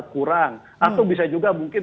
kurang atau bisa juga mungkin